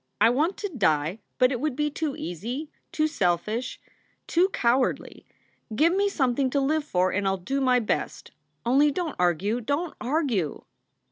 I want to die, but it would be too easy, too selfish, too cowardly. Give me something to live for and I ll do my best. Only don t argue, don t argue!"